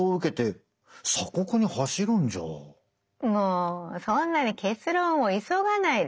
もうそんなに結論を急がないで。